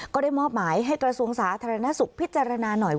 ก็ได้มอบหมายให้กระทรวงสาธารณสุขพิจารณาหน่อย